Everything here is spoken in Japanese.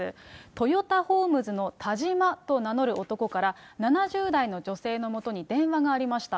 トヨタホームズのタジマと名乗る男から、７０代の女性のもとに電話がありました。